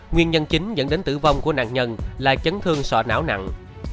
nguyên nhân chính dẫn đến tử vong của nạn nhân là chấn thương sọ não nặng